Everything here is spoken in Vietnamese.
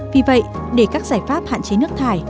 vì vậy để các giải pháp hạn chế nước thải